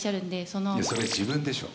それ、自分でしょ。